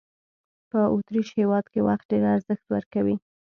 په اوترېش هېواد کې وخت ډېر ارزښت ورکوي.